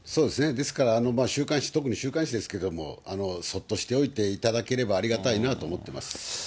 ですから週刊誌、特に週刊誌ですけども、そっとしておいていただければありがたいなと思ってます。